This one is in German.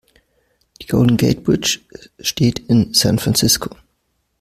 Die Golden Gate Bridge steht in San Francisco.